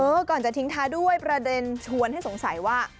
ก่อนจะทิ้งท้ายด้วยประเด็นชวนให้สงสัยว่า